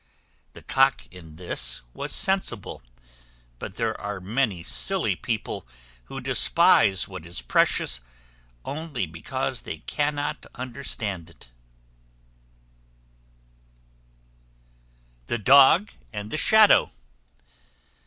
The Cock, in this, was sensible; but there are many silly people who despise what is precious only because they cannot understand it. THE DOG AND THE SHADOW.